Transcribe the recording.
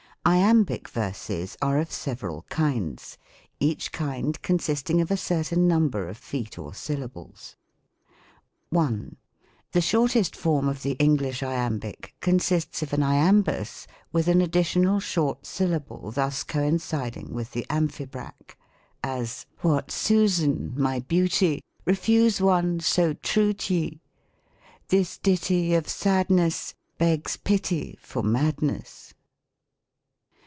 Iambic verses are of several kinds, each kind con sisting of a certain number of feet or syllables. 1. The shortest form of the English Iambic consists of an Iambus, with an additional short syllable thus coinciding with the Amphibrach : as. 124 THE COMIC ENGLISH GRAMBIAR. « What Susan, My beauty! Refuse one So true t' ye ? This ditty Of sadness Begs pity For madness."